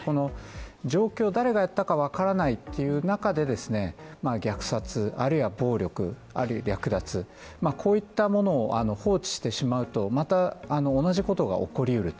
状況、誰がやったか分からないという中で虐殺、あるいは暴力、略奪、こういったものを放置してしまうとまた同じことが起こりうる。